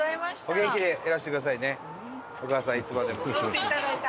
お母さんいつまでも。